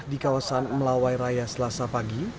di kawasan melawai raya selasa pagi